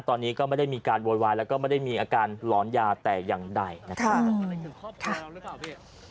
ตอนนี้ก็ไม่ได้มีการโวยวายแล้วก็ไม่ได้มีอาการหลอนยาแต่อย่างใดนะครับพี่